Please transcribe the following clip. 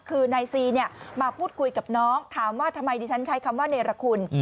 คือนายซีเนี่ยมาพูดคุยกับน้องถามว่าทำไมดิฉันใช้คำว่าเนรคุณ